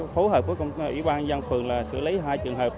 phối hợp với công an yên phường là xử lý hai trường hợp